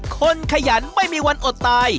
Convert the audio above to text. ขยันไม่มีวันอดตาย